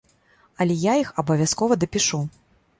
Але я іх абавязкова дапішу.